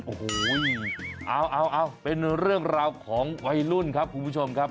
โอ้โหเอาเป็นเรื่องราวของวัยรุ่นครับคุณผู้ชมครับ